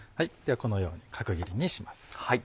このように角切りにします。